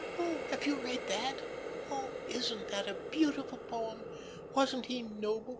"Oh, have you read that? Oh, isn't that a beautiful poem? Wasn't he noble?